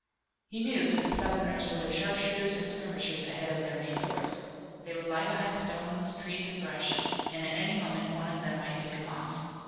He knew that the Southerners would have sharpshooters and skirmishers ahead of their main force. They would lie behind stones, trees and brush and at any moment one of them might pick him off.